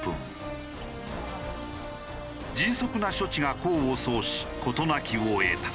迅速な処置が功を奏し事なきを得た。